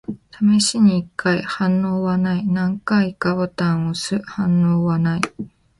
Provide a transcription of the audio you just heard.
試しに一回。反応はない。何回かボタンを押す。反応はない。